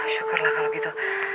syukurlah kalau gitu